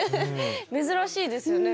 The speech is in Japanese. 珍しいですよね。